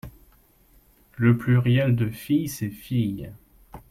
Le pluriel de fille c’est filles.